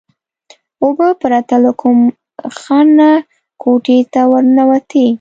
اوبه پرته له کوم خنډ نه کوټې ته ورننوتې.